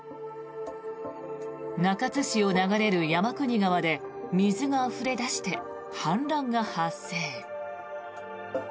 中津市を流れる山国川で水があふれ出して氾濫が発生。